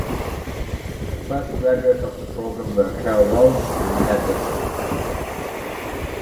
The first graduates of the program were Ker Wells and Ted Witzel.